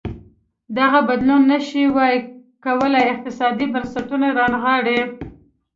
دغه بدلون نه ش وای کولی اقتصادي بنسټونه راونغاړي.